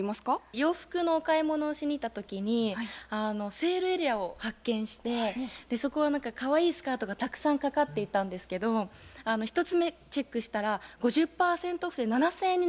洋服のお買い物をしにいった時にセールエリアを発見してそこはかわいいスカートがたくさん掛かっていたんですけど１つ目チェックしたら５０％オフで７，０００円になってたんですよ。